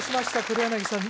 黒柳さん